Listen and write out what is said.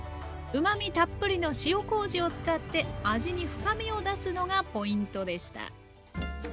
うまみたっぷりの塩こうじを使って味に深みを出すのがポイントでした。